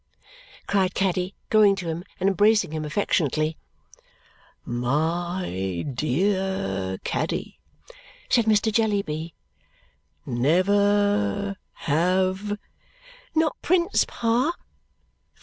cried Caddy, going to him and embracing him affectionately. "My dear Caddy," said Mr. Jellyby. "Never have " "Not Prince, Pa?"